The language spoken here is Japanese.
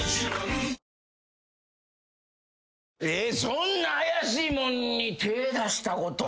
そんな怪しいもんに手出したこと。